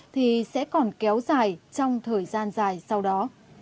thì sẽ còn kéo dài trong thời gian dài sau đó